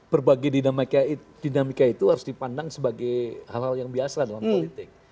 berbagai dinamika itu harus dipandang sebagai hal hal yang biasa dalam politik